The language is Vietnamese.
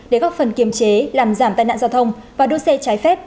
để góp phần kiềm chế làm giảm tai nạn giao thông và đua xe trái phép